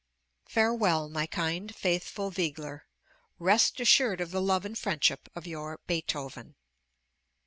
Farewell, my kind, faithful Wegeler! Rest assured of the love and friendship of your BEETHOVEN.